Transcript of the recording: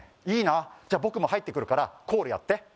「いいなじゃ僕も入ってくるから」「コールやって」